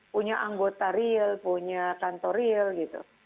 punya anggota real punya kantor real gitu